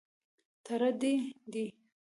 _تره دې دی.